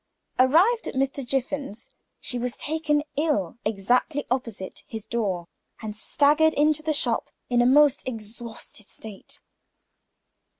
Arrived at Mr. Jiffin's, she was taken ill exactly opposite his door, and staggered into the shop in a most exhausted state.